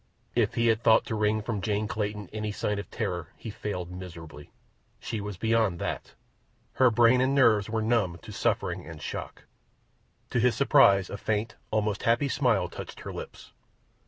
If he had thought to wring from Jane Clayton any sign of terror he failed miserably. She was beyond that. Her brain and nerves were numb to suffering and shock. To his surprise a faint, almost happy smile touched her lips.